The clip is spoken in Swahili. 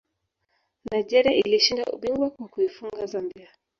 nigeria ilishinda ubingwa kwa kuifunga zambia